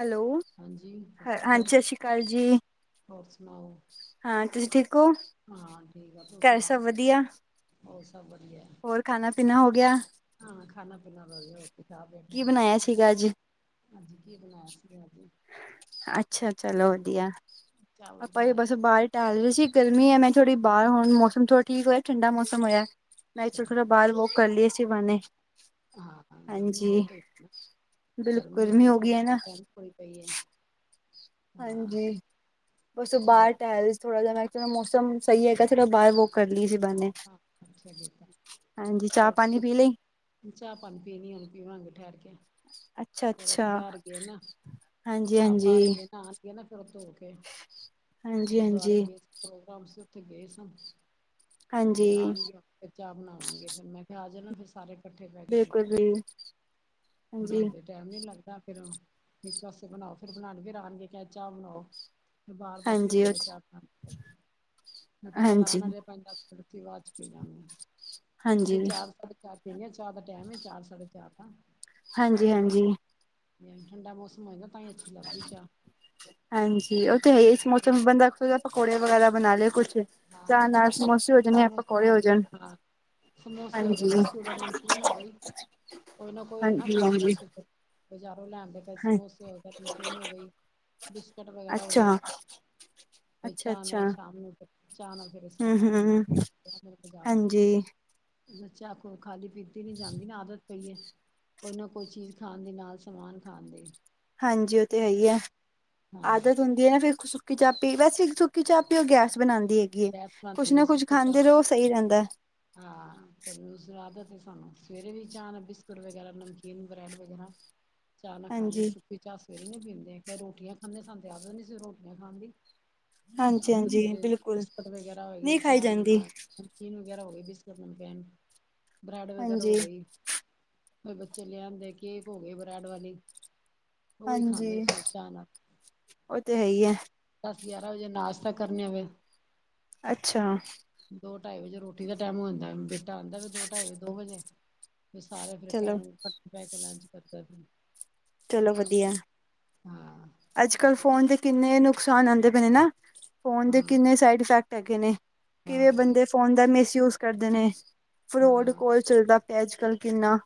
Hello, ਹਾਂਜੀ ਸਤਿ ਹ ਸ਼੍ਰੀ ਅਕਾਲ ਹਾਂਜੀ ਸਾਸ ਸ਼੍ਰੀ ਕਾਲ ਜੀ। ਹੋਰ ਸੁਣਾਓ। ਹਾਂ ਤੁਸੀਂ ਠੀਕ ਓ। ਹਾਂ ਠੀਕ ਆ ਤੂੰ ਸੁਣਾਓ, ਹੋਰ ਸਭ ਵਧੀਆ ਐ। ਖਾਣਾ-ਪੀਨਾ ਹੋ ਗਿਆ। ਹਾਂ ਖਾਣਾ-ਪੀਣਾ ਵਧੀਆ ਰੋਟੀ ਖਾ ਬੈਠੇ ਕੀ ਆਂ। ਬਣਾਇਆ ਸੀਗਾ ਅੱਜ? ਹਾਂਜੀ ਕੀ ਬਣਾਇਆ ਸੀਗਾ ਅੱਜ। ਅੱਛਾ ਚਲੋ ਵਧੀਆ, ਚਾਵਲ ਆਪਾ ਈ ਬਣਾਏ ਬਸ ਬਾਰ ਟੈਲ ਰੇ ਸੀ ਗਰਮੀ ਏ ਨਾ ਥੋੜੀ ਬਾਰ ਹੁਣ ਮੌਸਮ ਥੋੜਾ ਠੀਕ ਹੋਯਾ ਠੰਡਾ ਮੌਸਮ ਹੋਯਾ, ਮੈਂ ਕ ਅੱਛਾ ਚਲੋ ਬਾਰ ਵੋਕ ਕਰ ਲੀ ਸੀ ਮੈਂਨੇ ਹਾਂ-ਹਾਂ ਗਰਮੀ ਬੋਤ ਹੋਈ ਪਈ ਨਾ, ਬਿਲਕੁਲ ਗਰਮੀ ਹੋ ਰੀ ਗਈ ਖ਼ੂਬ ਹੈ ਨਾ ਤੇ ਪੈਂਦੀ ਬੜੀ ਪਈ ਐ। ਹਾਂਜੀ, ਓਸ ਤੋ ਹੋਰ ਬਾਰ ਟੈਲ ਥੋੜਾ ਜੇਆ ਮੈਂ ਚਲੋ ਮੌਸਮ ਸਈ ਹੈਗਾ ਫਿਰ ਬਾਰ ਵੋਕ ਕਰ ਲੀ ਸੀ ਬੈਨੇ। ਹਾਂ, ਅੱਛਾ ਕੀਤਾ ਹਾਂਜੀ, ਚਾਹ-ਪਾਨੀ ਪੀ ਲਈ। ਚਾਹ-ਪਾਨੀ ਪੀਨੀ ਏ ਹੁਨ ਪੀਵਾਂਗੇ ਠੈਰ ਕੇ। ਅੱਛਾ ਫੇਰ ਅੱਛਾ, ਬਾਰ ਗਏ ਨਾ, ਹਾਂਜੀ ਆਹ ਬਾਰ ਹਾਂਜੀ, ਗਏ ਨਾ ਨਾ ਫੇਰ ਓ ਧੋ ਕੇ ਹਾਂਜੀ ਗੁਰਦੁਆਰੇ ਹਾਂਜੀ, ਗਏ ਸੀ, ਪ੍ਰੋਗਰਾਮ ਸੀ ਓਥੇ ਗਏ ਸਾਂ। ਫੇਰ ਹਾਂਜੀ। ਆਣਗੇ ਫੇਰ ਚਾਹ ਬਣਾਵਾਂਗੇ ਫੇਰ ਮੈਂ ਕੇਆ ਆ ਜਾਣਾ ਤੁਸੀ ਸਾਰੇ। ਕੱਠੇ ਬੈਕੇ ਬਿਲਕੁਲ ਪੀਕੇ, ਜੀ ਹਾਂਜੀ ਬਣਾਦੇ ਨੇ। ਟਾਈਮ ਨੀ ਲੱਗਦਾ ਫੇਰ ਇੱਕ ਆਸਤੇ ਬਨਾਂਓ ਫਿਰ ਬਣਾਓ ਫੇਰ ਆਣਗੇ ਚਾਹ ਬਨਾਓ। ਬਾਰ ਦਾ ਹਾਂਜੀ ਉਹ [unintelligible] ਮੈਂ ਕੇਆ ਚੱਲ ਆ ਹਾਂਜੀ ਨਾ ਜਾਏ ਪੰਜ ਦਸ ਮਿੱਠੀ ਬਾਦ ਚ ਪੀਲਾਂਗੇ ਹਾਂਜੀ ਜੇ ਚਾਰ ਸਾਡੇ ਚਾਹ ਪੀਂਨੇ ਆ ਚਾਹ ਦਾ ਟਾਇਮ ਏ ਚਾਰ ਸਾਡੇ ਚਾਰ ਦਾ। ਹਾਂਜੀ-ਹਾਂਜੀ। ਹੂੰ, ਠੰਡਾ ਮੌਸਮ ਹੈਏਗਾ ਤਾਂ ਈਂ ਅੱਛੀ ਲੱਗਦੀ ਏ ਚਾਹ। ਹਾਂਜੀ, ਓ ਤਾਂ ਹੈਈਏ। ਇਸ ਫੇਰ ਮੌਸਮ ਬੰਦਾ ਪਕੌੜੇ ਵਗੈਰਾ ਬਣਾ ਲਏ ਕੁਛ- ਹਾਂ ਚਾਹ ਨਾਲ ਸਮੋਸੇ ਹੋ ਜਾਣ ਯਾਂ ਪਕੌੜੇ ਹੋ ਜਾਣ। ਸੋਮੇਸੇ ਹੋ ਗਏ ਹਾਂਜੀ ਬਿਸਕੁਟ ਔਰ ਨਮਕੀਨ ਗ, ਈ ਕੋਈ ਨਾ ਕੋਈ ਨਾ ਹਾਂਜੀ ਖਾਣ ਹਾਂਜੀ ਵਾਸਤੇ ਫੇਰ ਬਜਾਰੋਂ ਲੈਣ ਦੇ, ਕਦੇ ਹਾਂ ਸਮੋਸੇ ਹੋ ਗਏ, ਕਦੇ ਨਮਕੀਨ ਹੋ ਗਈ, ਬਿਸਕੁਟ ਵਗੈਰਾ ਹੋ ਗਏ। ਅੱਛਾ ਬਈ ਅੱਛਾ ਚਾਹ ਨਾਲ ਅੱਛਾ ਸ਼ਾਮ ਨੂੰ ਫੇਰ ਚਾਹ ਨਾਲ ਫਿਰ ਇਸ ਤਰ੍ਹਾਂ ਹਮ ਕਰ ਦਿੰਨਾ ਹਮ ਜਾ, ਫੇਰ ਬਜ਼ਾਰੋ ਹਾਂਜੀ ਚਾਹ ਹੁਨ ਖਾਲੀ ਪੀਤੀ ਨੀਂ ਜਾਂਦੀ ਨਾ ਆਦਤ ਪਈਏ, ਕੋਈ ਨਾ ਕੋਈ ਚੀਜ ਖਾਣ ਦੀ ਨਾਲ ਸਮਾਨ ਖਾਣ ਦੀ। ਹਾਂਜੀ, ਓਤੇ ਹੀ ਈਏ ਹਾਂ ਆਦਤ ਹੁੰਦੀ ਏ ਫੇਰ ਸੁੱਕੀ ਚਾਹ ਪੀ ਵੈਸੇ ਸੁੱਕੀ ਚਾਹ ਪਿਉ, ਓ ਗੈਸ ਬਣਾਦੀ ਹੈਗੀਏ। ਗੈਸ ਕੁੱਛ ਬਣਦੀ ਹੈ ਨਾ ਕੁੱਝ ਸੁੱਕੀ ਚਾਹ ਖਾਂਦੇ ਰੋ ਓ ਸਈ ਰੈਂਦੈ। ਹਾਂ ਫੇਰਆਦਤ ਏ ਸਾਨੂੰ ਸਵੇਰੇ ਵੀ ਚਾਹ ਨਾਲ ਬਿਸਕੁਟ ਵਗੈਰਾ, ਨਮਕੀਨ, ਬਰੈਡ ਵਗੈਰਾ। [inaudible] ਚਾਹ ਨਾਲ ਖਾਂਦੇ ਆ ਹਾਂਜੀ ਸੁੱਕੀ ਚਾਹ ਸਵੇਰੇ ਨੀ ਪੀਂਦੇ ਫੇਰ ਰੋਟੀਆਂ ਖਾਂਦੇ ਸਾਨੂੰ ਆਦਤ ਨਈਂ ਸੀ ਰੋਟੀਆਂ ਖਾਣ ਦੀ। ਹਾਂਜੀ-ਹਾਂਜੀ ਬਿਲਕੁਲ। ਬਿਸਕੁਟ ਵਗੈਰਾ ਹੋਗੇ ਨਹੀਂ ਖਾਈ ਚਾਹ ਜਾਂਦੀ ਨਾਲ। ਨਮਕੀਨ ਵਗੈਰਾ ਹੋਗੇ, ਬਿਸਕੁਟ, ਨਮਕੈਨ, ਬ੍ਰੈਡ ਵਗੈਰਾ ਹਾਂਜੀ ਹੋਗੇ। ਫਿਰ ਬੱਚੇ ਲਿਆਦੇ ਕੇਕ ਹੋ ਗਏ ਬਰੈਡ ਵਾਲੀ। ਓਈ ਹਾਂਜੀ ਖਾਂਦੇ ਸਵੇਰ ਚਾਹ ਨਾਲ। ਉਹ ਤੇ ਹੈ ਹੀ ਹੈ ਦਸ ਗਿਆਰਾਂ ਵਜੇ ਨਾਸਤਾ ਕਰਨੇ ਆਂ ਫੇਰ। ਅੱਛਾ। ਦੋ ਢਾਈ ਵਜੇ ਰੋਟੀ ਦਾ ਟਾਈਮ ਹੋ ਜਾਂਦਾ ਬੇਟਾ ਆਂਦਾ ਵੀ ਦੋ, ਢਾਈ ਵਜੇ ਦੋ ਵਜੇ। ਫੇਰ ਸਾਰੇ ਫੇਰ ਚਲੋ ਬੈਂਣ ਕੱਠੇ ਬੈਕੇ ਲੰਚ ਕਰਦੇ ਫਿਰ ਚਲੋ ਵਧੀਆ, ਹਾਂ ਅੱਜ-ਕੱਲ ਫੋਨ ਦੇ ਕਿੰਨੇ ਨੁਕਸਾਨ ਆਂਦੇ ਪਏ ਨੇ ਨਾ। ਫੋਨ ਦੇ ਹਾਂ ਕਿੰਨੇ ਸਾਇਡ ਇਫੈਕਟ ਹੈਗੇ ਨੇ, ਕਿਵੇਂ ਹਾਂ ਬੰਦੇ ਫੋਨ ਦਾ ਮਿਸਯੂਜ ਕਰਦੇ ਨੇ। ਫਰੋਡ ਹਾਂ ਕੋਲ ਚੱਲਦਾ ਪੇਆ ਅੱਜ-ਕੱਲ ਕਿੰਨਾ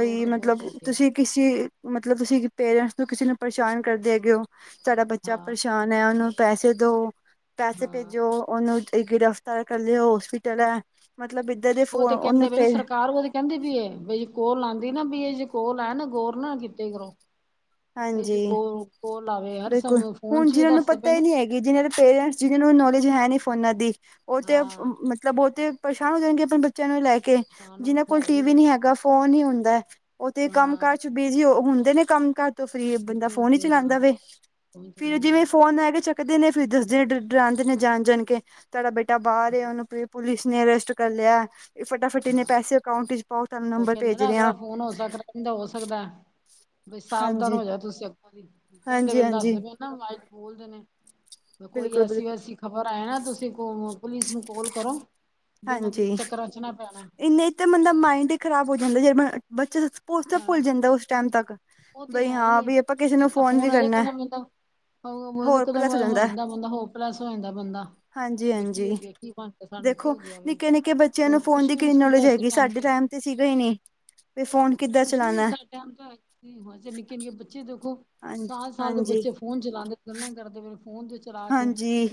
ਰੋਡ ਤਾਂ ਬਹੁਤ ਮਤਲਬ ਹੋ ਗਿਆ ਤੁਸੀਂ ਕਿਸੇ ਤੁਸੀਂ ਪੇਰੈਂਟਸ ਨੂੰ ਕਿਸੇ ਨੂੰ ਪਰੇਸ਼ਾਨ ਹੈਗੇਓ, ਸਾਡਾ ਬੱਚਾ ਪਰੇ ਹਾਂ ਪਰਸ਼ਾਨ ਐ ਓਨੂੰ ਪੈਸੇ ਦੋ, ਪੈਸੇ ਹਾਂ ਭੇਜੋ ਓਨੂੰ ਇੱਕ ਗ੍ਰਿਫਤਾਰ ਕਰ ਦਿਓ, ਓ ਹੋਸਪਿਟਲ ਐ ਮਤਲਬ ਦੇ ਓ ਫੋਨ ਤੇ ਉਹਨੂੰ ਕੈਂਦੇ ਨੇ ਓਨੂੰ ਪੇ ਸਰਕਾਰ ਓਦੀ ਕੈਂਦੇ ਵੀ ਏ ਬਈ ਕੋਲ ਆਂਦੀ ਨਾ ਬਈ ਇਓ ਜੇ ਕੋਲ ਆਏ ਨਾ ਗੋਰ ਨਾਲ ਕੀਤੀ ਕਰੋ। ਏਜੇ ਹਾਂਜੀ ਕੋ ਕੋਲ ਆਵੇ ਹਰ ਸਮੇ ਫੋਨ ਚ ਵੀ ਦੱਸ ਪਏ ਨੇ। ਕਿ ਜਿਨਾਂ ਦੇ ਪੇਰੈਂਟਸ ਜਿਨ੍ਹਾਂ ਨੂੰ ਨੌਲੇਜ ਹੈ ਨੀਂ ਫੋਨਾਂ ਦੀ ਓਤੇ ਹਾਂ ਮਤਲਬ ਓਤੇ ਪ੍ਰੇਸ਼ਾਨ ਹੋ ਜਾਨਗੇ ਅਪਨੇ ਬੱਚਿਆਂ ਨੂੰ ਲੈਕੇ। ਨੁਕਸਾਨ ਤੇ ਉਹ ਜਿਨਾਂ ਕੋਲ ਹੈ ਹੀ ਟੀਵੀ ਵੇ ਨੀ ਹੈਗਾ, ਫੋਨ ਈ ਹੁੰਦਾ ਓਤੇ ਕੰਮ ਹਾਂ ਕਰ ਚੁੱਕ ਬੀਜੀ ਓ ਹੁੰਦੇ ਨੇ ਕੰਮ ਕਾਜ ਫਰੀ ਬੰਦਾ ਬਿਜੀ ਫੋਨ ਈ ਹੁੰਦੇ ਹਾਂ ਚਲਾਦਾ ਵੇ ਫੋਨ ਫਿਰ ਚਲਾਉਂਦਾ ਜਿਵੇਂ ਫੋਨ ਆਏਗਾ ਸਕਦੇ ਨੇ, ਫੇਰ ਦੱਸਦੇ ਡਰਾਉਂਦੇ ਨੇ ਜਾਣ- ਜਾਣ ਕੇ, ਤੁਹਾਡਾ ਬੇਟਾ ਬਾਹਰ ਆ ਉਹਨੂੰ ਪ ਪੁਲਿਸ ਨੇ ਅਰੇੈਸਟ ਕਰ ਲਿਆ ਏ ਫਟਾਫਟ ਇੰਨੇ ਹਾਂ ਪੈਸੇ ਅਕਾਊਂਟ 'ਚ ਪਾਓ, ਤੁਹਾਨੂੰ ਉਹ ਨੰਬਰ ਕਹਿੰਦੇ ਭੇਜ ਨਾ ਰਹੇ ਅਗਲਾ ਆਂ ਫੋਨ ਹੋ ਸਕਦਾ ਕਹਿੰਦਾ ਹੋ ਸਕਦਾ, ਬਈ ਸਾਵਧਾਨ ਹਾਂਜੀ ਹੋ ਜਾਓ ਤੁਸੀਂ ਅੱਗੋਂ ਦੀ, ਕਹਿੰਦੇ ਹਾਂਜੀ ਬਈ ਹਾਂਜੀ ਦੱਸਦੇ ਪਏ ਕਹਿੰਦੇ ਆਵਾਜ਼ ਬੋਲਦੇ ਨੇ, ਤੇ ਕੋਈ ਬਿਲਕੁਲ ਐਸੀ- ਬਿਲਕੁਲ ਵੈਸੀ ਖ਼ਬਰ ਆਏ ਨਾ ਤੁਸੀਂ ਕੋ, ਪੁਲਿਸ ਨੂੰ ਕਾਲ ਕਰੋ, ਬਈ ਐਨਾਂ ਦੇ ਹਾਂਜੀ ਚੱਕਰਾਂ 'ਚ ਨ ਪੈਣਾ ਇੰਨੇ 'ਚ ਤੇ ਬੰਦਾ ਮਾਇੰਡ ਹੀ ਖਰਾਬ ਹੋ ਜਾਂਦਾ ਜੇ ਮ ਬੱਚਾ ਪ ਪੁਲਸ ਭੁੱਲ ਹਾਂ ਜਾਂਦਾ ਉਸ ਟੈਮ ਤੱਕ, ਉਹ ਤੇ ਬਈ ਹੈ ਹੀ ਹਾਂ ਹੈ ਬੀ ਆਪਾਂ ਕਿਸੇ ਨੂੰ ਫੋਨ ਵੀ ਕਰਨਾ ਓ ਇੱਕਦਮ ਹੋ ਜਾਂਦਾ ਬੰਦਾ ਹੋਪਲੈਸ ਹੋ ਜਾਂਦਾ ਬੰਦਾ, ਵੀ ਕੀ ਗਿਆ ਕੀ ਬਣ ਸਾਨੂੰ ਕੀ ਖੋ, ਹੋ ਗਿਆ ਵੇ ਨਿੱਕੇ- ਨਿੱਕੇ ਬੱਚਿਆਂ ਨੂੰ ਹੋਰ ਫੋਨ ਕੁਛ ਦੀ ਵੀ ਨੀ ਕਿੰਨੀ ਸੁਝਦਾ ਨੌਲੇਜ ਇਸ ਹੈਗੀ, ਟਾਈਮ ਸਾਡੇ ਟੈਮ ਤੇ ਸੀਗਾ ਹੀ ਨੀ ਕੁੱਛ ਵੀ ਨੀ ਸਾਡਾ ਟੈਮ ਤਾਂ ਹੋ ਨਿੱਕੇ- ਨਿੱਕੇ ਬੱਚੇ ਦੇਖੋ, ਹਾਂਜੀ ਸਾਲ- ਸਾਲ ਦੇ ਹਾਂਜੀ ਬੱਚੇ ਫੋਨ ਚਲਾਉਂਦੇ, ਗੱਲਾਂ ਕਰਦੇ, ਫੇਰ ਫੋਨ ਦੇ ਹਾਂਜੀ,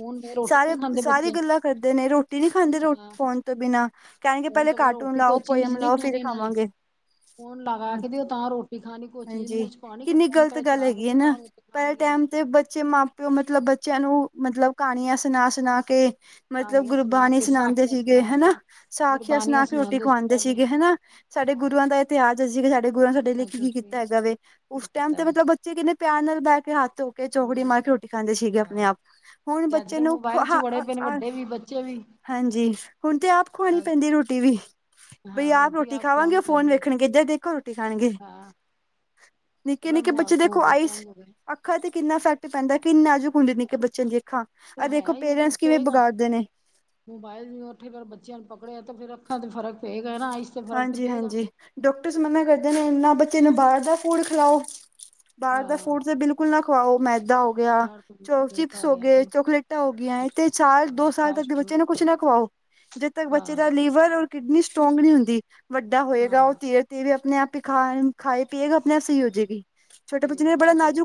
ਸਾਰੇ, ਸਾਰੀ ਬੱਚੇ ਗੱਲਾਂ ਕਰਦੇ ਨੇ ਰੋਟੀ ਨੀ ਖਾਂਦੇ ਰੋ ਫੋਨ ਤੋਂ ਬਿਨਾਂ ਕਹਿਣਗੇ ਫੋਨ ਪਹਿਲੇ ਤੋਂ ਬਗੈਰ ਕਾਰਟੂਨ ਰੋਟੀ ਲਾਓ, ਕੋਈ ਪੋਇਮ ਚੀਜ਼ ਨਹੀਂ ਲਾਓ, ਖਾਣੀ ਫੇਰ ਇਹਨਾਂ ਨੇ ਖਾਵਾਂਗੇ ਫੋਨ ਲਗਾ ਕੇ ਦੇ, ਤਾਂ ਰੋਟੀ ਖਾਣੀ ਕੋਈ ਚੀਜ਼ ਹਾਂਜੀ ਮੂੰਹ ਚ ਪਾਣੀ ਕੋਈ ਕਿੰਨੀ ਫੋਨ ਗਲਤ ਪਹਿਲੇ ਗੱਲ ਚਲਾ ਕੇ ਹੈਗੀ ਹੈ ਦਿਓ ਨਾ, ਤਾਂ ਰੋਟੀ ਪਹਿਲੇ ਖਾਣਗੇ ਟੈਮ ਤੇ ਬੱਚੇ ਮਾਂਪ ਤੇ ਮਤਲਬ ਬੱਚਿਆਂ ਨੂੰ, ਮਤਲਬ ਕਹਾਣੀਆਂ ਸੁਨਾ- ਸੁਨਾ ਕੇ ਮਤਲਬ ਕਹਾਣੀਆਂ ਸੁਣਾ ਗੁਰਬਾਣੀ ਕੇ, ਸੁਣਾਉਂਦੇ ਸਾਖੀਆਂ ਸੀਗੇ ਸੁਣਾ ਕੇ ਹਨਾ, ਸਾਖੀਆਂ ਗੁਰਬਾਣੀਆਂ ਸੁਣਾ ਕੇ ਰੋਟੀ ਸੁਣਾਉਂਦੇ ਸੀ ਖਵਾਉਂਦੇ ਪਹਿਲੇ, ਸੀਗੇ ਹਨਾ ਸਾਡੇ ਹਾਂ ਗੁਰੂਆਂ ਦਾ ਇਤਿਹਾਸ ਦੇ ਸੀ ਸਾਡੇ ਗੁਰੂਆਂ ਨੇ ਸਾਡੇ ਲਈ ਦ ਸੀ ਕੀਤਾ ਹੈਗਾ ਵੇ, ਕੀ ਉਸ ਟਾਈਮ ਪਤਾ ਤੇ ਹੈ ਮਤਲਬ ਬੱਚੇ ਕਹਿੰਦੇ ਪਿਆਰ ਨਾਲ ਬਹਿ ਕੇ ਹੱਥ‌ ਧੋ ਕੇ ਚੋਕੜੀ ਮਾਰ ਕੇ ਰੋਟੀ ਖਾਂਦੇ ਸੀਗੇ ਆਪਣੇ ਹਾਂ, ਆਪ, ਹੁਣ ਤੇ ਅੱਜ ਬੱਚੇ ਕੱਲ੍ਹ ਨੂੰ ਮੋਬਾਇਲ ਚ ਕਹਾ ਬੜੇ ਪਏ ਨੇ ਹਾ ਵੱਡੇ ਵੀ, ਬੱਚੇ ਵੀ ਹਾਂਜੀ ਹੁਣ ਤੇ ਆਪ ਖਵਾਉਣੀ ਪੈਂਦੀ ਐ ਰੋਟੀ ਵੀ ਬਈ ਹਾਂ ਆਪ ਰੋਟੀ ਖਾਵਾਂਗੇ ਖਵਾਉਣੀ ਫੋਨ ਪੈਂਦੀ, ਹੈ। ਵੇਖਣਗੇ ਇੱਧਰ ਦੇਖੋ, ਰੋਟੀ ਖਾਣਗੇ ਹਾਂ ਨਿੱਕੇ- ਬੜਾ ਨਿੱਕੇ ਬੱਚੇ ਮਾਹੌਲ ਹੋ ਦੇਖੋ ਆਈਸ ਚੇਂਜ ਹੋ ਗਿਆ ਅੱਖਾਂ ਤੇ ਕਿੰਨਾ ਇਫੈਕਟ ਪੈਂਦਾ, ਕਿੰਨਾ ਨਾਜੁਕ ਹੁੰਦੀ ਨਿੱਕੇ ਬੱਚਿਆਂ ਦੀਆਂ ਅੱਖਾਂ ਤੇ ਆ ਦੇਖੋ ਹੈ ਹੀ ਉਹ ਤਾਂ ਪੇਰੈਂਟਸ ਕਿਵੇਂ ਪਏਗਾ ਵਿਗਾੜਦੇ ਨੇ ਮੋਬਾਇਲ ਉੱਥੇ ਫਿਰ ਬੱਚਿਆਂ ਨੂੰ ਪਕੜਿਆ ਤੇ ਫੇਰ ਅੱਖਾਂ ਤੇ ਫਰਕ ਪਏਗਾ ਨਾ ਆ ਆਈਸ ਤੇ ਫ਼ਰਕ ਤੇ ਪਏਗਾ ਹਾਂਜੀ-ਹਾਂਜੀ। ਡਾਕਟਰਸ ਮਨਾ ਕਰਦੇ ਨੇ ਐਨਾ ਬੱਚੇ ਨੂੰ ਬਾਹਰ ਦਾ ਫੂਡ ਖਿਲਾਓ ਬਾਹਰ ਦਾ ਹਾਂ, ਫੂਡ ਤੇ ਬਿਲਕੁਲ ਨਾ ਖਵਾਓ, ਮੈਦਾ ਹੋ ਗਿਆ, ਬਾਹਰ ਤੋਂ ਚੋ ਬੇਤਾ ਚਿਪਸ ਹੋ ਹੋਇਆ ਗਏ ਤੇ ਚੋਕਲੇਟ ਚੋਕਲੇਟਾਂ ਹੋ ਗਈਆਂ ਏ, ਤੇ ਸਾਲ ਦੋ ਹਾਂ ਸਾਲ ਤੱਕ ਫਾਸਟ ਦੇ ਫੂਡ ਬੱਚੇ ਨੂੰ ਕੁਛ ਨਾ ਖਵਾਓ, ਜਿੱਦ ਤੱਕ ਬੱਚੇ ਦਾ ਹਾਂ ਲੀਵਰ ਔਰ ਕਿਡਨੀ ਸਟਰੋਂਗ ਨੀ ਹੁੰਦੀ, ਵੱਡਾ ਹੋਏਗਾ ਉਹ ਹਾਂ, ਧੀਰੇ- ਧੀਰੇ ਆਪਣੇ ਆਪ ਤੇ ਖਾਣ, ਖਾਏ ਪੀਏਗਾ ਆਪਣੇ ਆਪ ਸਹੀ ਹੋ ਜਏਗੀ ਸਹੀ ਵਾ, ਉਹ ਤੇ ਹੈ,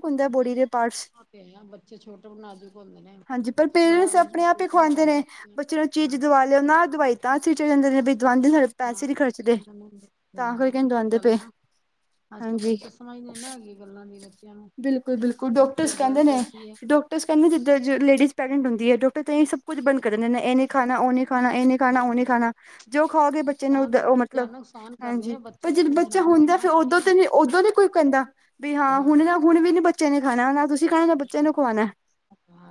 ਪਾਰਟਸ। ਉਹ ਤੇ ਹੈ, ਬੱਚੇ ਛੋਟੇ ਨਾਜ਼ੁਕ ਹੁੰਦੇ ਨੇ ਹਾਂਜੀ ਪਰ ਬੜਾ ਪੇਰੈਂਟਸ ਆਪਣੇ ਆਪ ਹੀ ਦੇਖਣਾ ਖਵਾਂਦੇ ਪੈਂਦਾ ਨੇ, ਬੱਚੇ ਨੂੰ ਚੀਜ਼ ਹਾਂ ਦਵਾ ਉਹ ਤਾਂ ਦਵਾਈ ਤਾਂ ਸਵਿਚ ਹੋ ਜਾਂਦੇ ਬਈ, ਗੁਆਂਢੀ ਸਾਡੇ ਪੈਸੇ ਹਾਂ ਨੀ ਖਰਚਦੇ [unintelligible] ਤਾਂ ਕਰਕੇ ਨੀ ਉਹ ਦਵਾਉਂਦੇ ਗੱਲ ਹੈ ਪਏ ਨਾ ਅੱਜ- ਕੱਲ ਹਾਂਜੀ ਬੱਚੇ ਸਮਝਦੇ ਨਾ ਹੈਗੇ ਗੱਲਾਂ ਦੀ ਬੱਚਿਆਂ ਨੂੰ, ਬਿਲਕੁਲ ਕੀ ਗ਼ਲਤ ਐ ਕੀ ਐ ਤੁਸੀਂ ਕਹਿੰਦੇ ਜਿੱਦਾਂ ਜੋ ਲੇਡੀਜ਼ ਪ੍ਰੈਗਨੈਂਟ ਹੁੰਦੀ ਹੈ, ਡੋਕਟਰ ਤਾਂਹੀਂਂ ਸਭ ਕੁ ਬੰਦ ਕਰ ਦਿੰਦੇ ਨੇ, ਇਹ ਨੀ ਖਾਣਾ ਉਹ ਨੀ ਖਾਣਾ ਇਹ ਨੀ- ਖਾਣਾ ਉਹ ਨੀ ਹਾਂ ਖਾਣਾ ਜੋ ਖਾਓਗੇ ਬੱਚ ਬੱਚੇ ਨੂੰ ਨੁਕਸਾਨ ਗ ਦਾ ਉਹ ਚੀਜ਼ਾਂ ਮਤਲਬ, ਨੁਕਸਾਨ ਕਰਦੇ ਨੇ ਹਾਂਜੀ ਪਰ ਜਦ ਜੋ ਬੱਚਾ ਜਨਾਨੀ ਹੁੰਦਾ ਮਾਂ ਫੇਰ ਉਦੋਂ ਖਾਏਗੀ ਤਾਂ ਨੀ ਉਦੋਂ ਨੀ ਕੋਈ ਕਹਿੰਦਾ ਵੀ ਹਾਂ ਹੁਣ ਨਾ ਹੁਣ ਵੀ ਨੀ ਬੱਚੇ ਨੇ ਖਾਣਾ, ਨਾ ਤੁਸੀਂ ਖਾਣਾ ਨਾ ਬੱਚਿਆਂ ਹਾਂ ਨੂੰ ਖਵਾਉਣਾ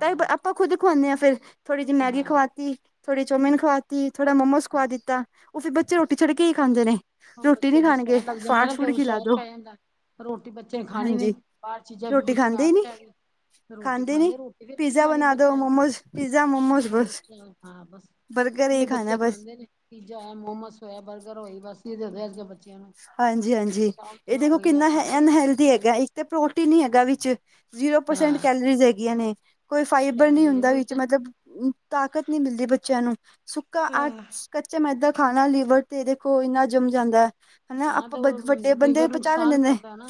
ਤਾਂਹੀ ਅਪ ਆਪਾਂ ਖੁਦ ਖੁਆਉਂਦੇ ਹਾਂ ਫੇਰ, ਥੋੜ੍ਹੀ ਜਿਹੀ ਮੈਗੀ ਹਾਂ ਖਵਾਤੀ ਥੋੜ੍ਹੀ ਚੌਮਿਨ ਖਵਾਤੀ, ਥੋੜ੍ਹਾ ਮੋਮੋਸ ਖਵਾ ਦਿੱਤਾ, ਉਹ ਫੇਰ ਬੱਚੇ ਰੋਟੀ ਛੱਡ ਕੇ ਹੀ ਖਾਂਦੇ ਨੇ ਉਹ ਰੋਟੀ ਬੱਚੇ ਨੀ ਫਿਰ ਖਾਣਗੇ ਸੁਆਦ ਲੱਗ ਜਾਂਦਾ, ਫਾਸਟ ਫੂਡ ਫੇਰ ਖਿਲਾ ਸੌਂਕ ਦੋ ਪੈ ਜਾਂਦਾ ਰੋਟੀ ਬੱਚੇ ਨੇ ਖਾਣੀ ਨੀ, ਹਾਂਜੀ ਬਾਹਰ ਚੀਜ਼ਾਂ ਫੇਰ ਰੋਟੀ ਬੱਚੇ ਨੂੰ ਖਾਂਦੇ ਹੀ ਆਦਤ ਨੀ ਪੈ ਗਈ ਰੋਟੀ ਨੀ ਖਾਂਦੇ ਰੋਟੀ ਫਿਰ ਕੀ ਪੀਜ਼ਾ ਖਾਣੀ ਬਣਾ ਦੋ ਬੱਚਿਆਂ ਮੋਮੋਸ ਪੀਜ਼ਾ ਮੋਮੋਸ ਬਸ ਹਾਂ। ਬਸ [unintelligible] ਬਰਗਰ ਵੀ ਹੀ ਬੱਚੇ ਖਾਣਾ ਬਸ ਖਾਂਦੇ ਨੇ ਪੀਜ਼ਾ ਹੋਇਆ, ਮੋਮੋਸ ਹੋਏ, ਬਰਗਰ ਹੋਏ। ਬਸ ਇਹਦੇ ਅੱਜ ਬੇ ਹਾਂਜੀ- ਹਾਂਜੀ। ਇਹ ਦੇਖੋ ਗਈ ਆ ਖਾਂਦੇ ਇਹ ਅਨਹਲਦੀ ਚੀਜ਼ ਹੈਗਾ। ਤਾਂ ਪ੍ਰੋਟੀਨ ਹੀ ਹੈਗਾ ਵਿਚ। ਜ਼ੀਰੋ ਹਾਂ ਪਰਸੈਂਟ ਕੈਲਰੀਜ਼ ਹੈਗੀਆਂ ਨੇ। ਕੋਈ ਫਾਈਬਰ ਨਹੀਂ ਹੁੰਦਾ। ਵਿੱਚ ਮਤਲਬ ਤਾਕਤ ਨਹੀਂ ਮਿਲਦੀ। ਬੱਚਿਆਂ ਨੂੰ ਸੁੱਕਾ ਆ, ਕੱਚਾ ਮੈਦਾ ਖਾਣਾ ਲੀਵਰ ਤੇ ਦੇਖੋ। ਇੰਨਾ ਜੰਮ ਜਾਂਦਾ। ਹਨਾ। ਹਾਂ ਆਪਾਂ ਤੇ ਬ ਉਹ ਵੱਡੇ ਬੰਦੇ ਲੀਵਰ ਨੂੰ ਪਹੁੰਚਾ ਲੈਂਦੇ ਨੁਕਸਾਨ ਨੇ। ਕਰਦਾ ਨਾ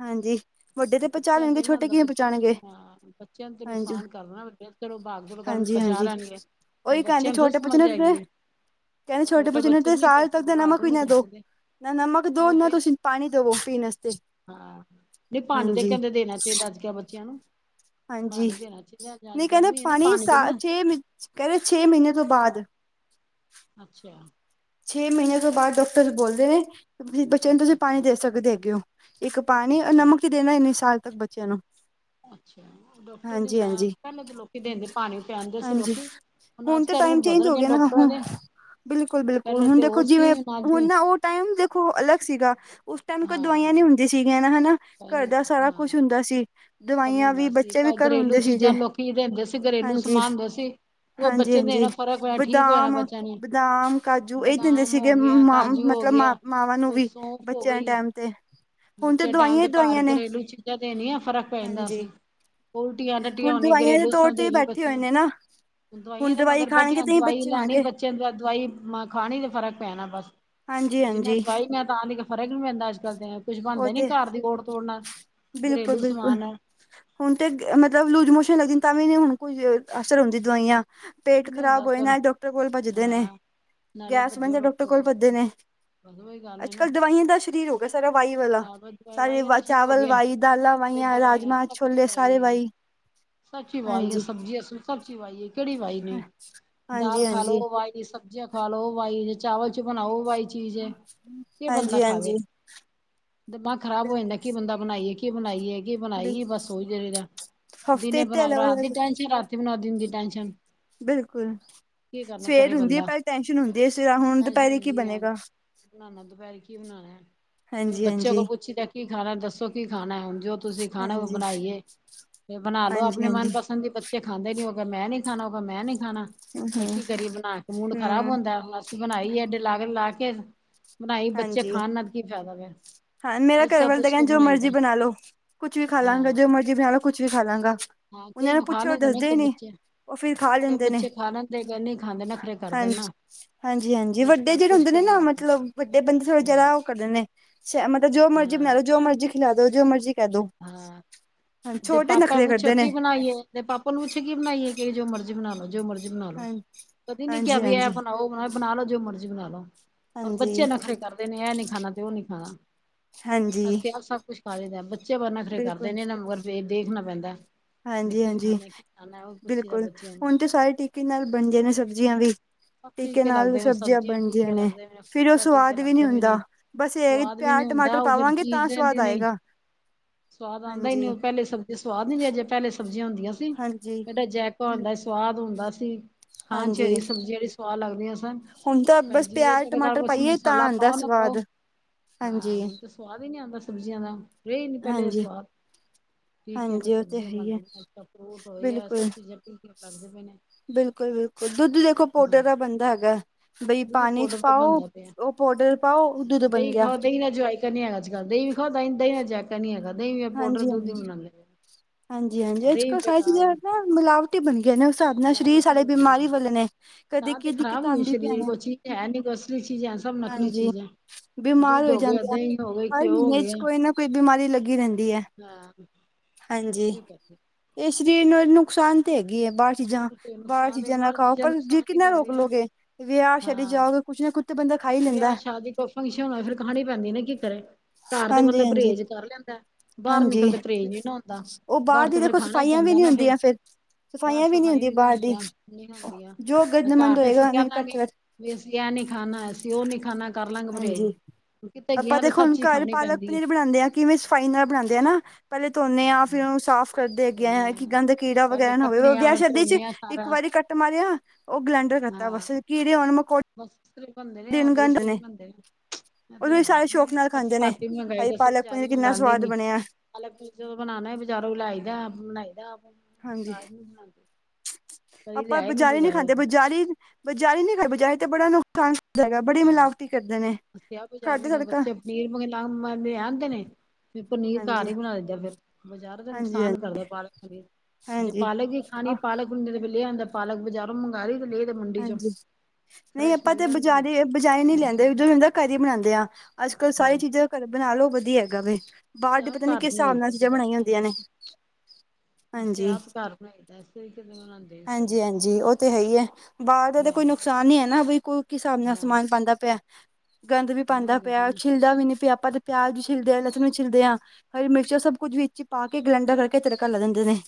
ਹਾਂਜੀ ਵੱਡੇ ਤੇ ਪਹੁੰਚਾ ਬੱਚਿਆਂ ਤੇ ਲੈਣਗੇ ਇਹ ਨਾ ਛੋਟੇ ਹੁੰਦਾ ਕਿਵੇਂ ਪਹੁੰਚਾਉਣਗੇ ਹਾਂ, ਬੱਚਿਆਂ ਤੇ ਹਾਂਜੀ ਨੁਕਸਾਨ ਕਰਨਾ। ਵਡ ਚਿਰੋ ਬਾਗ ਦੇਵ ਨੂੰ ਪਚਾਹ ਲੈਣੀ ਹੈ। [unintelligible] ਓਹੀ ਕਹਿੰਦੇ ਛੋਟੇ ਪੁੱਛ ਨੇ, ਕਹਿੰਦੇ ਛੋਟੇ ਬੱਚੇ ਨੂੰ ਦੋ ਨਹੀਂ ਕਰ ਸਾਲ ਤੱਕ ਸਕਦੇ ਦਾ ਭਾਗ ਨਮਕ ਦੌੜ ਵੀ ਨਹੀਂ ਨਾ ਕਰ ਦੋ। ਸਕਦੇ ਨਾ ਨਮਕ ਦਿਓ, ਉਹ ਨਾ ਤੇ ਤੁਸੀਂ ਪਾਣੀ ਦਵੋ। ਪੀਣ ਵਾਸਤੇ। ਹਾਂ ਨਹੀਂ ਪਾਣੀ ਤਾਂ ਕਹਿੰਦੇ ਹਾਂਜੀ-ਹਾਂਜੀ ਦੇਣਾ ਚਾਹੀਦਾ। ਅੱਜ-ਕੱਲ੍ਹ ਬੱਚਿਆਂ ਨੂੰ ਪਾਣੀ ਦੇਣਾ ਚਾਹੀਦਾ ਜਾਂ ਅੱਜ ਗਰਮੀ ਏ, ਨਾ ਪਾਣੀ ਦੇਣਾ, ਕਹਿ, ਕਹਿੰਦੇ ਛੇ ਮਹੀਨੇ ਤੋਂ ਬਾਅਦ, ਅੱਛਾ। ਛੇ ਮਹੀਨਿਆਂ ਤੋਂ ਬਾਅਦ, ਡਾਕਟਰ ਬੋਲਦੇ ਨੇ। ਤੁ ਬੱਚਿਆਂ ਨੂੰ ਅੱਛਾ ਤੁਸੀਂ ਪਾਣੀ ਅੱਛਾ ਦੇ ਸਕਦੇ ਹੈਗੇ ਹੋ। ਇੱਕ ਪਾਣੀ ਅੱਛਾ ਨਮਕ ਦੇਣਾ ਇਹ ਨੀ ਸਾਲ ਤੱਕ ਬੱਚਿਆਂ ਨੂੰ। ਅੱਛਾ! ਡਾਕਟਰ ਦੀ ਹਾਂਜੀ ਪਹਿਲਾਂ ਹਾਂਜੀ ਤਾਂ ਲੋਕੀ ਦਿੰਦੇ ਪਾਣੀ ਪਿਆਦੇ ਸੀ ਹਾਂਜੀ ਲੋਕੀ। ਹੁਣ ਅੱਜ-ਕੱਲ੍ਹ ਰੂਲ ਬਦਲ ਰਹੇ ਆ ਡਾਕਟਰਾਂ ਦੇ। ਬਿਲਕੁਲ-ਬਿਲਕੁਲ, ਪਹਿਲੇ ਹੁਣ ਤੇ ਦੇਖੋ। ਹੋਰ ਸੀ ਜਿਵੇਂ ਅੱਜ ਹੁਣ ਨਾ ਉਹ ਟਾਈਮ ਦੇਖੋ, ਅਲੱਗ ਸੀਗਾ। ਉਸ ਟਾਈਮ ਕੋਈ ਹਾਂ ਦਵਾਈਆਂ ਨੀ ਹੁੰਦੀ ਸੀਗੀਆਂ ਨਾ ਹਨਾ। ਕੋਈ ਘਰ ਨੀ ਦਾ ਸਾਰਾ ਕੁਛ ਹਾਂ ਹੁੰਦਾ ਸੀ। ਸਭ ਦਵਾਈਆਂ ਵੀ ਹੁੰਦਾ ਸੀ ਬੱਚੇ ਵੀ ਘਰ ਘਰੇਲੂ ਆਉਦੇ ਸੀਗੇ। ਚੀਜ਼ਾਂ ਲੋਕੀ ਦਿੰਦੇ ਸੀ ਘਰੇਲੂ ਹਾਂਜੀ ਸਮਾਨ ਹੁੰਦੇ ਸੀ ਉਹ ਬੱਚੇ ਨੂੰ ਹਾਂਜੀ-ਹਾਂਜੀ। ਦੇਣਾ ਫ਼ਰਕ ਹੋਇਆ ਠੀਕ ਹੋ ਜਾਣਾ ਬਦਾਮ ਬੱਚਿਆਂ ਨੇ -ਬਦਾਮ ਕਾ- ਜੂ ਇਹ ਦਿੰਦੇ ਬਦਾਮ ਹੋ ਸੀਗੇ। ਗਿਆ ਮ ਕਾਜੂ ਹੋ ਮਤਲਬ ਮ ਗਿਆ ਮਾਵਾਂ ਨੂੰ ਕੋਈ ਵੀ ਸੌਂਫ ਹੋ ਬੱਚਿਆਂ ਦੇ ਗਈ ਟੈਮ ਤੇ। ਹੁਣ ਤੇ ਬੱਚੇ ਟਾਈਮ ਦਵਾਈਆਂ ਹੀ ਦੇ ਘਰ ਦਵਾਈਆਂ ਨੇ ਘਰੇਲੂ ਚੀਜ਼ਾਂ ਤੇ ਨੀਆਂ ਫ਼ਰਕ ਪੈਂਦਾ ਹਾਂਜੀ ਸੀ। ਉਲਟੀਆਂ, ਟੱਟੀਆਂ ਹੁਣ ਹੋਣੀ ਦਵਾਈਆਂ ਦੇ ਘਰੇਲੂ ਸ ਤੌਰ ਤੇ ਦੇਣੀ ਬੈਠੇ ਹੋਏ ਬੱਚਿਆਂ ਨੇ ਨਾ ਦਵਾਈਆਂ ਹੁਣ ਤੇ ਦਵਾਈ ਮਗਰ ਖਾਣਗੇ ਬੈਠੀਆਂ ਤੇ ਹੀ ਦਵਾਈ ਬੱਚੇ ਲੈਣੀ, ਹੋਣਗੇ ਬੱਚਿਆਂ ਨੂੰ ਦਵਾਈ ਖਾਣੀ ਤੇ ਫਰਕ ਪੈਣਾ ਬਸ। ਜਿਨਾਂ ਹਾਂਜੀ-ਹਾਂਜੀ ਦਵਾਈ ਮੈਂ ਤਾਂ ਦੀ ਫਰਕ ਨਹੀਂ ਪੈਂਦਾ। ਅੱਜ-ਕੱਲ ਤੇ ਕੁੱਛ ਉਹ ਬਣਦਾ ਨੀ, ਤੇ ਘਰ ਦੀ ਓੜ ਤੋੜਨਾ। ਬਿਲਕੁਲ-ਬਿਲਕੁਲ। ਹੁਣ ਤੇ ਮਤਲਬ, ਲੂਜ ਮੋਸ਼ਨ ਲੱਗਦੀ ਤਾਂ ਵੀ ਨੀ ਹੁਣ ਕੋਈ ਅਸਰ ਹੁੰਦੀ ਦਵਾਈਆਂ। ਕੁਛ ਪੇਟ ਵੀ ਨੀ ਹੁੰਦਾ ਖ਼ਰਾਬ ਹੋਏ ਅਸਰ ਨਾ, ਡਾਕਟਰ ਕੋਲ ਭੱਜਦੇ ਨੇ, ਹਾਂ ਗੈਸ ਬਣਦਾ ਡਾਕਟਰ ਕੋਲ ਭੱਜਦੇ ਨੇ। ਬਸ ਉਹੀ ਗੱਲ ਹੈ ਨਾ ਅੱਜ-ਕੱਲ੍ਹ ਦਵਾਈਆਂ ਦਾ ਸਰੀਰ ਹੋ ਗਿਆ। ਸਾਰਾ ਵਾਈ ਵਾਲਾ ਹਾਂ ਬਸ ਦਵਾਈ ਸਾਰੇ ਵ ਵਾਲਾ ਸ਼ੁਰੂ ਹੋ ਚਾਵਲ ਗਿਆ ਵਾਈ ਦਾਲਾਂ ਫਿਰ ਵਾਈਆਂ ਦਵਾਈਆਂ ਰਾਜਮਾਂ, ਸਭ ਚੀਜ਼ ਛੋਲੇ ਸਾਰੇ ਹੈ ਵਾਈ ਹਾਂਜੀ। ਸਬਜ਼ੀ ਵਾਈ ਕਿਹੜੀ ਵਾਈ ਨਹੀ ਹਾਂਜੀ ਦਾਲ ਖਾ ਹਾਂਜੀ ਲੋ ਵਾਈ ਨਹੀਂ ਸ ਖਾ ਲੋੋ ਬਾਈ ਚਾਵਲ ਚ ਬਣਾਓ ਬਾਈ ਚੀਜ਼ ਏ ਕਿ ਬੰਦਾ ਹਾਂਜੀ ਹਾਂਜੀ ਖਾਵੇ। ਦਿਮਾਗ ਖਰਾਬ ਹੋ ਬਿਲਕੁਲ ਜਾਂਦਾ ਕੀ ਬੰਦਾ ਬਣਾਈਏ, ਕੀ ਬਣਾਈਏ- ਕੀ ਬਣਾਈ ਬਿਲਕੁਲ ਬਸ। ਉਹੀ ਸੋਚਦੇ ਹਫ਼ਤੇ ਦਿਨੇ ਤੇ ਬਣਾਇਏ ਅਲੱਗ ਰਾਤ ਦੀ ਅਲੱਗ ਟੈਨਸ਼ਨ ਤੇ ਵੀ ਨਦੀ ਟੈਨਸ਼ਨ ਬਿਲਕੁਲ, ਕੀ ਕਰਨਾ ਕਰੇ ਸਵੇਰ ਹੁੰਦੀ ਏ। ਬੰਦਾ ਪਹਿਲੇ ਟੈਸ਼ਨ ਹੁੰਦੀ ਏ। ਸਵੇਰ ਹੁਣ ਟੈਨਸ਼ਨ ਦੁਪਹਿਰੇ ਕੀ ਹੁੰਦੀ ਹੈ ਬਣੇਗਾ? ਬਣਾਉਣਾ ਦੁਪਹਿਰੀ ਕੀ ਬਣਾਉਣਾ ਏ। ਹਾਂਜੀ ਬੱਚੇ ਹਾਂਜੀ ਕੋਲ ਪੁੱਛਦਾ ਕੀ ਖਾਣਾ ਦੱਸੋ ਕੀ ਖਾਣਾ? ਹੁਣ ਜੋ ਤੁਸੀਂ ਖਾਣਾ ਉਹ ਹਾਂਜੀ ਬਣਾਈਏ। ਫ ਬਣਾ ਲੋ। ਹਾਂਜੀ ਆਪਣੇ ਹਾਂਜੀ ਮਨਪਸੰਦ ਦੀ ਬੱਚੇ ਖਾਂਦੇ ਨੀ ਹੋ ਕੇ ਮੈਂ ਨੀ ਖਾਣਾ ਉਹਗਾ ਮੈਂ ਨੀ ਖਾਣਾ, ਹਮ ਹਮ ਕੀ ਕਰੀਏ ਬਣਾ ਕੇ ਮੂਡ ਖ਼ਰਾਬ ਹਮ ਹੁੰਦਾ ਏ। ਬਣਾਈ ਐਡੇ ਲਾਗਨ ਲਾ ਕੇ, ਬਣਾਈ ਬੱਚੇ ਹਾਂਜੀ ਖਾਣ ਨਾ ਤੇ ਕੀ ਫਾਇਦਾ ਪਿਆ। ਹਾਂ, ਮੇਰਾ ਘਰੇਵਾਲ ਤਾਂ ਕਹਿਣ ਜੋ ਮਰਜ਼ੀ ਬਣਾ ਲੋ। ਕੁਛ ਵੀ ਖਾ ਲਾਂਗਾ ਹਾਂ ਜੋ ਮਰਜ਼ੀ ਬਣਾ ਲਓ ਕੁਛ ਵੀ ਖਾ ਲਾਂਗਾ, ਹਾਂ ਕਈ ਉਹਨਾਂ ਨੂੰ ਪੁੱਛੋ ਉਹ ਦੱਸਦੇ ਈ ਨੀ। ਉਹ ਫਿਰ ਖਾਲ ਫੇਰ ਬੱਚੇ ਖਾਣਾਂ ਨਹੀਂ ਖਾਂਦੇ, ਨਖ਼ਰੇ ਕਰਦੇ ਨੇ ਨਾ। ਹਾਂਜੀ ਹਾਂਜੀ‌, ਇਸ ਵੱਡੇ ਕਰ ਜਿਹੜੇ ਪੁੱਛ ਹੁੰਦੇ ਕੇ ਨੇ ਨਾ ਬਣਾਉਣੀ ਮਤਲਬ, ਵੱਡੇ ਬੰਦੇ ਥੋੜੇ ਹਾਂ ਜ਼ਿਆਦਾ ਉਹ ਕਰਦੇ ਨੇ ਸ ਮਤਲਬ ਜੋ ਮਰਜ਼ੀ ਬਣਾ ਹਾਂ ਲੋ, ਜੋ ਮਰਜ਼ੀ ਖਿਲਾ ਦੋ, ਜੋ ਮਰਜ਼ੀ ਕਹਿ ਦੋ ਹਾਂ, ਹਾਂ ਜੇ ਛੋਟੇ ਪਾਪਾ ਨਖਰੇ ਪੁੱਛੋ ਕਰਦੇ ਨੇ ਕੀ ਬਣਾਈਏ ਤੇ ਪਾਪਾ ਨੂੰ ਪੁੱਛਏ ਕੀ ਬਣਾਈਏ ਕਿ ਜੋ ਮਰਜੀ ਬਣਾ ਲੋ, ਜੋ ਮਰਜ਼ੀ ਬਣਾ ਲੋ, ਹਾਂ ਕਦੇ ਨੀ ਕਿਹਾ ਵੀ ਇਹ ਹਾਂਜੀ-ਹਾਂਜੀ ਬਣਾਓ, ਬ ਬਣਾ ਲੋ ਜੋ ਮਰਜ਼ੀ ਬਣਾ ਲੋ। ਪਰ ਬੱਚੇ ਹਾਂਜੀ-ਹਾਂਜੀ ਨਖ਼ਰੇ ਕਰਦੇ ਨੇ ਇਹ ਨੀ ਖਾਣਾ ਤੇ ਉਹ ਨੀ ਖਾਣਾ, ਅਸੀਂ ਤੇ ਇਹ ਸਭ ਕੁਛ ਖਾ ਲਈਦਾ। ਚੇ ਪਰ ਨਖ਼ਰੇ ਕਰਦੇ ਨੇ ਨੰਬਰ ਤੇ ਦੇਖਣਾ ਪੈਂਦਾ। ਵੀ ਹਾਂਜੀ ਕੀ ਹਾਂਜੀ, ਖਾਣਾ ਕੀ ਖਾਣਾ ਉਹ ਪੁੱਛੀਦਾ ਬਿਲਕੁਲ ਬੱਚਿਆਂ ਨੂੰ ਹੁਣ ਤੇ ਸਾਰੇ ਟੀਕੇ ਨਾਲ ਬਣ ਗਾਏ ਨੇ ਸਬਜ਼ੀਆਂ ਵੀ ਸਭ ਟੀਕੇ ਨਾਲ ਲੱਗਦੇ ਨੇ ਸਬਜ਼ੀਆਂ ਬਣਦੀਆਂ ਟੀਕੇ ਨੇ, ਲੱਗਦੇ ਫਿਰ ਉਹ ਫੁਲਕਾ ਟੀਕੇ ਸਵਾਦ ਵੀ ਨੀਂ ਲੱਗਦੇ ਪਏ ਹੁੰਦਾ। ਨੇ ਬਸ ਇਹ ਏ ਕਿ ਸਵਾਦ ਵੀ ਨੀ ਪਿਆਜ, ਟਮਾਟਰ ਹੁੰਦਾ ਉਹ ਫਿਰ ਪਾਵਾਂਗੇ ਤਾਂ ਚੀਜ਼ ਸਵਾਦ ਰਹਿੰਦੀ ਨਹੀਂ ਆਏਗਾ। ਸਵਾਦ ਆਂਦਾ ਈ ਨਹੀਂ, ਉਹ ਹਾਂਜੀ-ਹਾਂਜੀ ਪਹਿਲੇ ਸਬਜ਼ੀ ਸਵਾਦ ਨੀ ਅਜੇ ਪਹਿਲੇ ਸਬਜ਼ੀਆਂ ਹੁੰਦੀਆਂ ਸੀ। ਹਾਂਜੀ ਫਡਾ ਜੈਕ ਆਣ ਬ ਸਵਾਦ ਹੁੰਦਾ ਸੀ। ਖਾਣ ਚ ਹਾਂਜੀ ਹਰੀ ਸਬਜ਼ੀਆਂ ਜਿਹੜੀ ਸਵਾਦ ਲੱਗਦੀਆਂ ਸਨ। ਹੁਣ ਤਾਂ ਭਾਏ ਬਸ ਜੀਰੇ ਪਿਆਜ ਤੋ ਬਿਨਾ ਟਮਾਟਰ ਕੁਛ ਪਾਈਏ ਤਾਂ ਮਸਾਲਾ ਆਂਦਾ ਪਾਓ ਨਾ ਸਵਾਦ ਪਾਓ। ਹਾਂ ਹਾਂਜੀ ਹੁਣ ਤਾਂ ਸਵਾਦ ਈ ਨੀਂ ਆਂਦਾ ਸਬਜ਼ੀਆਂ ਦਾ, ਰਹੇ ਨਹੀਂ ਪਹਿਲੇ ਦੇ ਹਾਂਜੀ ਸਵਾਦ ਠੀਕ ਐ ਨੀ ਹਾਂਜੀ ਉਹ ਤੇ ਹੈ ਸਬਜ਼ੀਆਂ ਹੀ ਹੈ ਮੰਗਦੀਆਂ ਨੇ ਫਰੂਟ ਹੋਏ ਐ ਸਭ ਚੀਜ਼ਾਂ ਪੱਕੀਆਂ ਲੱਗਦੇ ਪਏ ਨੇ। ਬਿਲਕੁਲ-ਬਿਲਕੁਲ ਦੁੱਧ ਦੇਖੋ ਹਾਂ ਪੋਡਰ ਦਾ ਬੰਨਦਾ ਹੈਗਾ। ਬਾਈ ਦੁੱਧ ਪਾਣੀ ਪਾਊਡਰ ਤਾਂ ਪਾਓ, ਬਣਦਾ ਪਿਆ ਉਹ ਪੋਡਰ ਪਾਓ, ਦੁੱਧ ਬਣ ਗਿਆ। ਜਾਇਕਾ ਨੀ ਅੱਜ- ਕੱਲ੍ਹ, ਦਈ ਵੀ ਖਾਉ, ਦਈ ਦਾ ਜਾਇਕਾ ਨੀ ਹੈਗਾ, ਦਹੀਂ ਪੋਡਰ ਦੁੱਧ ਹੀ ਬਨਾਉਂਦੇ ਪਾਏ ਨੇ। ਹਾਂਜੀ-ਹਾਂਜੀ ਅੱਜ -ਕੱਲ੍ਹ ਸਾਰੀਆਂ ਚੀਜ਼ਾਂ ਨਾ ਮਿਲਾਵਟੀ ਬਣ ਗਈਆਂ ਨੇ ਉਸ ਹਿਸਾਬ ਨਾਲ ਸਰੀਰ ਮਿਲਾਵਟੀ ਸਾਰੇ ਹੋ ਗਈ ਬਿਮਾਰੀ ਏ। ਵਾਲੇ ਨੇ, ਕਦੇ ਤਾਂ ਤੇ ਕੀ ਖਰਾਬ ਦਿੱਕਤ ਹੋ ਗਏ ਆਉਂਦੀ ਪਈਆਂ ਸਰੀਰ, ਨੇ ਉਹ ਚੀਜੇ ਹੈ ਨੀ ਜੋ ਅਸਲੀ ਚੀਜੇ ਐ ਸਭ ਨਕਲੀ ਹਾਂਜੀ ਚੀਜੇ ਐ। ਬਿਮਾਰ ਦੁੱਧ ਹੋ ਗਿਆ, ਜਾਂਦੇ ਆ ਦਹੀ ਹੋ ਗਿਆ, ਹਰ ਘਿਉ ਹੋ ਮਹੀਨੇ ਚ ਗਿਆ। ਕੋਈ ਨਾ ਕੋਈ ਬਿਮਾਰੀ ਲੱਗੀ ਰਹਿੰਦੀ ਐ। ਹਾਂ ਹਾਂਜੀ, ਕੀ ਕਰਦੇ ਇਹ ਸਰੀਰ ਨੂੰ ਨੁਕਸਾਨ ਤੇ ਹੈਗੀ ਏ,, ਬ ਚੀਜ਼ਾਂ ਬਾਹਰੋ ਨੁਕਸਾਨ ਏ, ਚੀਜ਼ਾਂ ਨਾ ਬਾਹਰ ਖਾਓ, ਪਰ ਜੇ ਨੁਕਸਾਨ ਹੀ ਕਿੰਨਾ ਰੋਕ ਕਰਦੀਆਂ ਨਾ ਲਓਗੇ, ਵਿਆਹ ਛੱਡੀ ਹਾਂ ਜਾਓਗੇ ਕੁੱਛ ਨਾ ਕੁਛ- ਤੇ ਬੰਦਾ ਖਾ ਈ ਲੈਂਦਾ। ਵਿਆਹ ਸ਼ਾਦੀ ਫੰਕਸ਼ਨ ਹੋਏ ਫਿਰ ਖਾਣੀ ਪੈਦੀ ਨਾ ਕੀ ਕਰੇ। ਘਰ ਤੇ ਹਾਂਜੀ ਬੰਦਾ ਹਾਂਜੀ ਪਰਹੇਜ਼ ਕਰ ਲੈਂਦਾ, ਬਾਹਰ ਹਾਂਜੀ ਨਿਕਲਦੇ ਪਰਹੇਜ਼ ਨੀਂ ਨਾ ਹੁੰਦਾ। ਉਹ ਬਾਹਰ ਦੀ ਤੇ ਫੇਰ ਦੇਖੋ ਖਾਣਾ ਹੀ ਸਫਾਈਆਂ ਵੀ ਪੈਂਦਾ ਨੀਂ ਨਾ ਹੁੰਦੀਆਂ ਫਿਰ, ਬਾਹਰ ਸਫਾਈਆਂ ਵੀ ਵੀ ਨੀ ਸਫਾਈ ਹੁੰਦੀ ਬਾਹਰ ਦੀ, ਹੁੰਦੀਆਂ ਨਹੀਂ ਹੁੰਦੀਆਂ ਜੋ ਗੰਦ ਘਰ -ਮੰਦ ਤੇ ਅਸੀਂ ਹੋਏਗਾ ਕਹਿ ਉਥੇ ਦਾਂਗੇ ਕੱਟਲੇ ਵੀ ਅਸੀਂ ਇਹ ਨੀਂ ਖਾਣਾ, ਐਸੀ ਉਹ ਨੀਂ ਖਾਣਾ। ਕਰਲਾ ਗੇ ਪ੍ਰਹੇਜ, ਹਾਂਜੀ ਕਿਤੇ ਆਪਾਂ ਗਿਆ ਤੇ ਦੇਖੋ ਸਭ ਹੁਣ ਚੀਜ਼ ਘਰ ਖਾਣੀ ਪਾਲਕ ਪੈਂਦੀ ਏ। ਪਨੀਰ ਬਣਾਉਂਦੇ ਹਾਂ ਕਿਵੇਂ ਸਫ਼ਾਈ ਨਾਲ ਬਣਾਦੇ ਆ ਨਾ। ਪਹਿਲੇ ਧੋਨੇ ਹੈ ਆ, ਫਿਰ ਉਹਨੂੰ ਸਾਫ਼ ਕਰਦੇ ਅੱਗੇ ਆ ਕਿ ਗੰਦ ਕੀੜਾ ਪਹਿਲੇ ਵਗ਼ੈਰਾ ਨਾ ਹੋਵੇ, ਕੱਟਣੇ ਆ ਵਿਆਹ ਫਿਰ ਸ਼ਾਦੀ ਚ ਧੋਨੇ ਆ ਸਾਰਾ ਇੱਕ ਵਾਰੀ ਕੱ- ਮਾਰਿਆ, ਉਹ ਗਰੈਂਡਰ ਕਰਤਾ ਹਾਂ ਬਸ, ਕੀੜੇ ਆਉਣ ਮਕੌੜ- ਬਸ ਇਸ ਤਰਾ ਈ ਬਣਦੇ ਨੇ [inaudible] ਬਣਦੇ ਨੇ ਉਹਨੂੰ ਤੇ ਵੀ ਹੈ ਸਾਰੇ ਸ਼ੌਕ ਨਾਲ ਅਸੀਂ ਖਾਂਦੇ ਨੇ ਪਾਰਟੀ [unintelligible] ਭਾਈ ਪਾਲਕ ਪਨੀਰ ਕਿੰਨਾ ਮੰਗਵਾਉਂਦੇ ਸਵਾਦ ਨੀ। ਬਣਿਆ ਹਾਲਾ ਕੀ ਜਦੋਂ ਬਣਾਨਾ ਏ ਬਜ਼ਾਰੋਂ ਲੈ ਆਈ, ਆਪ ਬਣਾਈ ਦਾ ਆਪ ਹਾਂਜੀ [unintelligible] ਕਦੀ ਆਪਾਂ ਲਿਆਏ ਨੀ ਬਜ਼ਾਰੀ ਨਹੀਂ ਬਜ਼ਾਰੋਂ ਖਾਂਦੇ, ਬਜ਼ਾਰੀ, ਬਜ਼ਾਰੀ ਖਾ ਬਾਜਾਰੀ ਤੇ ਬੜਾ ਨੁਕਸਾਨ ਬੜੀ ਹਾਂ ਮਿਲਾਵਟੀ ਕਰਦੇ ਨੇ ਘਰਦੇ ਤੜਕਾ ਪਨੀਰ-------ਲਿਆਂਦੇ ਨੇ ਫੇਰ ਪਨੀਰ ਘਰ ਹਾਂਜੀ ਈ ਬਣਾ ਦਈ ਦਾ ਫੇਰ, ਬਜ਼ਾਰ ਦਾ ਹਾਂਜੀ ਹਾਂਜੀ ਨੁਕਸਾਨ ਕਰਦਾ ਪਾਲਕ ਪਨੀਰ ਜੇ ਹਾਂਜੀ ਪਾਲਕ ਈ ਖਾਣੀ ਆਹ ਪਾਲਕ- ਪਨੀਰ ਫੇਰ ਲੇ ਆਂਦੇ ਪਾਲਕ ਬਜ਼ਾਰੋਂ ਮੰਗਾ ਲਈ ਲੇ ਦੇ ਮੁੰਡੀ ਚੋਂ ਹਾਂਜੀ ਫਰੈਸ਼ ਮਿਲ ਜਾਂਦੀ ਏ। ਬਜਾਰੋ ਨੀ ਲੈਂਦੇ ਜਦੋਂ ਹੁੰਦਾ ਘਰ ਈ ਬਣਾਂਦੇ ਆ, ਅੱਜ ਕੱਲ੍ਹ ਹਾਂ ਸਾਰੀ ਚੀਜ਼ਾਂ ਘਰ ਬਣਾ ਲੋ ਵਧੀਆ ਹੈਗਾ ਵੇ। ਬਾਰ ਅਸੀਂ ਤਾ ਪਤਾ ਆਪ ਨੀ ਘਰ ਕਿਸ ਬਣਾਈ ਹਿਸਾਬ ਨਾਲ ਦਾ ਚੀਜ਼ਾਂ ਬਾਜ਼ਾਰ ਬਣਾਈਆਂ ਹੁੰਦੀਆਂ ਲਿਆਂਦਾ ਹੀ ਨੇ। ਨੀ ਅਸੀਂ ਹਾਂਜੀ, ਆਪ ਘਰ ਬਣਾਈ ਦਾ ਅਸੀਂ ਕਿਵੇਂ ਬਣਾਉਂਦੇ ਸਗੋਂ ਹਾਂਜੀ- ਹਾਂਜੀ ਓ ਤੇ ਹੈ ਈ ਐ ਬਾਹਰ ਦਾ ਤਾਂ ਕੋਈ ਹਾਂ ਨੁਕਸਾਨ ਨੀ ਏ ਨਾ ਬਈ ਕੋਈ ਕਿਸਾਬ ਨਾ ਹਾਂ ਸਮਾਨ ਪਾਂਦਾ ਪੇਆ ਗੰਦ ਵੀ ਹਾਂ ਪਾਂਦਾ ਪਿਆ, ਓ ਗੱਲ ਛਿੱਲਦਾ ਵੀ ਨੀ ਪਿਆ ਆਪਾਂ ਤਾਂ ਪਿਆਜ ਵੀ ਛਿੱਲਦੇ ਆ, ਲਸਣ ਵੀ ਛਿੱਲਦੇ ਆਂ, ਹਰੀ ਮਿਰਚਾਂ ਸਭ ਕੁੱਝ ਵਿੱਚ ਪਾ ਕੇ ਗਲੈਂਡਰ ਕਰਕੇ ਤੜਕਾ ਲਾ ਦਿੰਦੇ ਨੇ।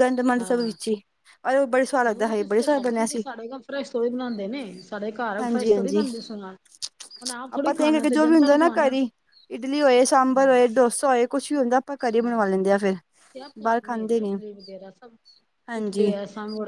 ਗੰਦ ਮੰੰਦ ਸਭ ਹਾਂ ਵਿੱਚੀ, ਪਰ ਓ ਬੜੇ ਸਵਾਦ ਲਗਦਾ ਉਹ ਹਾਏ ਤੇ ਇਸ ਬੜੇ ਤਰ੍ਹਾਂ ਸਆਦ ਕਰਦੇ ਬਣੇਆ ਨੀ ਸੀ। ਸਾਡੇ ਘਰ ਫਰੈਸ਼ ਥੋੜੇ ਬਣਾਂਦੇ ਨੇ ਸਾਡੇ ਘਰ ਆ ਫਰੈਸ਼ ਥੋੜੀ ਬਣਦੀ ਸਮਾਨ। ਹੁਣ ਬ-ਚ-ਬ-ਚ ਆਪ ਥੋੜ੍ਹੀ ਆਪਾਂ ਤੇ ਐਂਗਾ ਖਾਣਾ ਕਿ ਜੋ ਵੀ ਜਨਤਾ ਹੁੰਦੈ ਨੂੰ ਨਾ ਖਵਾਣਾ ਘਰੀ ਇਡਲੀ ਹੋਏ, ਸਾਂਬਰ ਹਾਂ ਹੋਏ, ਡੋਸਾ ਹੋਏ ਕੁਛ ਵੀ ਹੁੰਦਾ ਆਪਾਂ ਘਰੀ ਹਾਂ ਬਣਵਾ ਲੈਂਦੇ ਆ ਫਿਰ ਬਾਹਰ ਖਾਂਦੇ ਈ ਨੀ, ਹਾਂਜੀ। ਕੰਮ ਬੜਾ